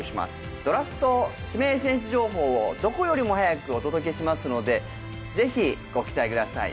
ドラフト指名選手情報をどこよりも早くお届けしますので是非ご期待ください。